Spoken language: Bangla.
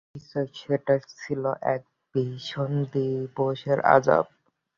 নিশ্চয়ই সেটা ছিল এক ভীষণ দিবসের আযাব।